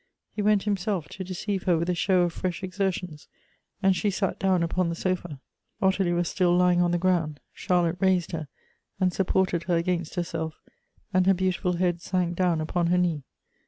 He went himselfj to deceive her with a show of fresh exertions, and she sat down upon the sofa. Ottilie was still lying on the ground ; Charlotte raised her, and supported her against herself, and her beautiful head sank down upon her knee.